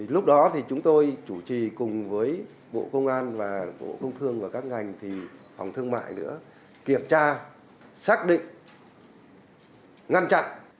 lúc đó thì chúng tôi chủ trì cùng với bộ công an và bộ công thương và các ngành thì phòng thương mại nữa kiểm tra xác định ngăn chặn